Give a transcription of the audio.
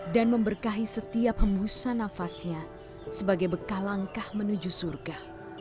dan memberkahi setiap hembusan nafasnya sebagai bekalangkah menuju surga